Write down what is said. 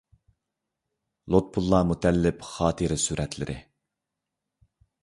لۇتپۇللا مۇتەللىپ خاتىرە سۈرەتلىرى.